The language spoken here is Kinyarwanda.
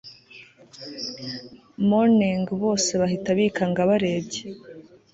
morning bose bahita bikanga barebye